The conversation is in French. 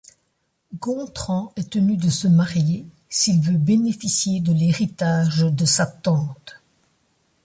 Gontran est tenu de se marier s'il veut bénéficier de l'héritage de sa tante.